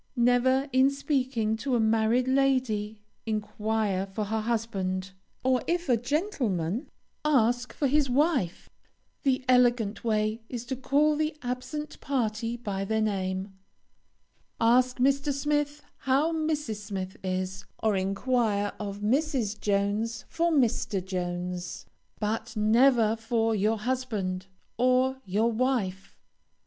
Never, in speaking to a married lady, enquire for her husband, or, if a gentleman, ask for his wife. The elegant way is to call the absent party by their name; ask Mr. Smith how Mrs. Smith is, or enquire of Mrs. Jones for Mr. Jones, but never for "your husband" or "your wife."